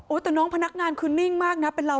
แต่น้องพนักงานคือนิ่งมากนะเป็นเรา